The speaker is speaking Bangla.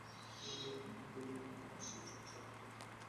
এদিন বিকেল পাঁচটা এবং সন্ধ্যা সাতটায় নাটকটির দুটি প্রদর্শনী অনুষ্ঠিত হবে।